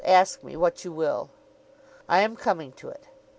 Ask me what you will.' 'I am coming to it.